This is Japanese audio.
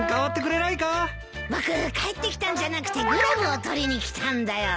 僕帰ってきたんじゃなくてグラブを取りに来たんだよ。